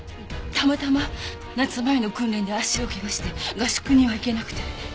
たまたま夏前の訓練で足を怪我して合宿には行けなくて。